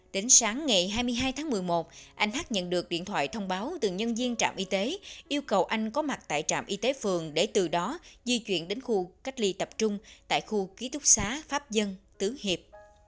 đến sáng ngày hai mươi hai tháng một mươi một anh hát nhận được điện thoại thông báo từ nhân viên trạm y tế yêu cầu anh có mặt tại trạm y tế phường để từ đó di chuyển đến khu cách ly tập trung tại khu ký túc xá pháp dân tứ hiệp